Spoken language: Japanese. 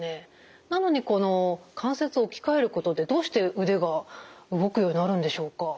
なのにこの関節置き換えることでどうして腕が動くようになるんでしょうか？